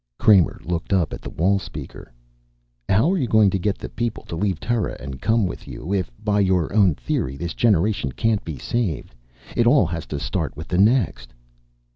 Kramer looked up at the wall speaker. "How are you going to get the people to leave Terra and come with you, if by your own theory, this generation can't be saved, it all has to start with the next?"